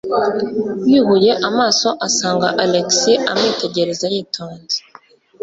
Yubuye amaso asanga Alex amwitegereza yitonze.